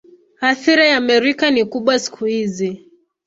Athira ya Amerika ni kubwa siku hizi.